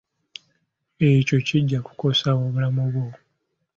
Ekyo kijja kukosa obulamu bwo.